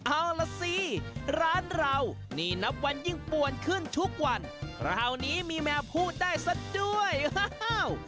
เอาล่ะสิร้านเรานี่นับวันยิ่งป่วนขึ้นทุกวันคราวนี้มีแมวพูดได้สักด้วยอ้าว